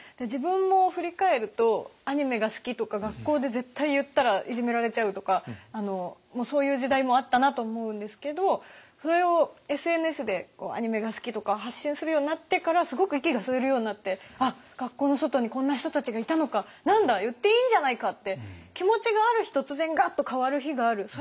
自分も振り返るとアニメが好きとか学校で絶対言ったらいじめられちゃうとかそういう時代もあったなと思うんですけどそれをＳＮＳでアニメが好きとか発信するようになってからはすごく息が吸えるようになってあっ学校の外にこんな人たちがいたのか何だ言っていいんじゃないかって気持ちがある日突然ガッと変わる日がある。